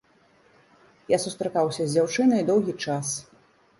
Я сустракаўся з дзяўчынай доўгі час.